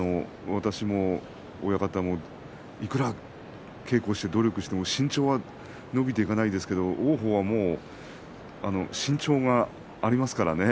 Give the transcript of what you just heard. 私も親方も、いくら稽古をして努力しても、身長は伸びていかないですけれども王鵬は身長がありますからね。